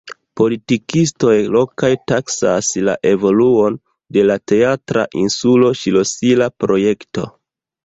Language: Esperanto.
Politikistoj lokaj taksas la evoluon de la Teatra insulo ŝlosila projekto.